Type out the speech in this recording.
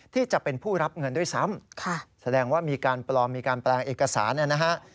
ที่จะเป็นผู้รับเงินด้วยซ้ำแสดงว่ามีการปลอมมีการแปลงเอกสารเนี่ยนะฮะ